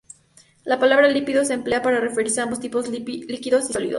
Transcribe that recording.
La palabra "lípidos" se emplea para referirse a ambos tipos, líquidos y sólidos.